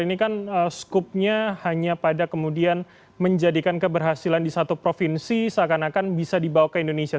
ini kan skupnya hanya pada kemudian menjadikan keberhasilan di satu provinsi seakan akan bisa dibawa ke indonesia